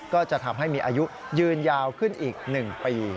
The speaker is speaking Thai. ก็จะทำให้มีอายุยืนยาวขึ้นอีก๑ปี